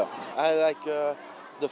tôi thích hà nội